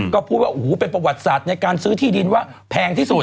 ก็พูดว่าโอ้โหเป็นประวัติศาสตร์ในการซื้อที่ดินว่าแพงที่สุด